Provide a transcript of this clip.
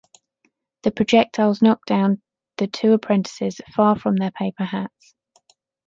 The projectiles knocked down the two apprentices, far from their paper hats.